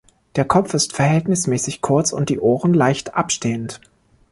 Der Kopf ist verhältnismäßig kurz und die Ohren leicht abstehend.